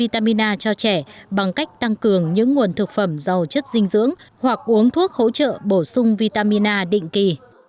tăng cường những nguồn thực phẩm giàu chất dinh dưỡng hoặc uống thuốc hỗ trợ bổ sung vitamina định kỳ